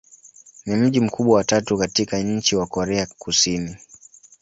Ni mji mkubwa wa tatu katika nchi wa Korea Kusini.